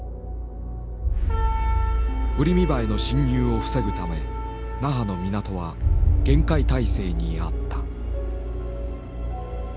ウリミバエの侵入を防ぐため那覇の港は厳戒態勢にあった。